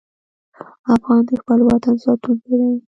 افغان د خپل وطن ساتونکی دی.